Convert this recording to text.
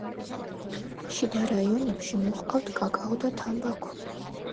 შიდა რაიონებში მოჰყავთ კაკაო და თამბაქო.